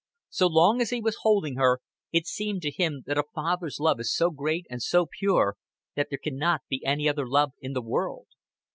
So long as he was holding her, it seemed to him that a father's love is so great and so pure that there can not be any other love in the world.